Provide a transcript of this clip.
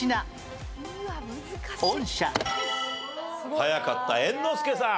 早かった猿之助さん。